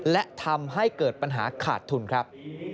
และทำให้เกิดปัญหาขาดทุนครับ